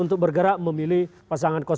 untuk bergerak memilih pasangan